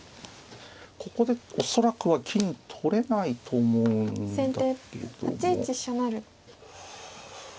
ここで恐らくは金取れないと思うんだけども。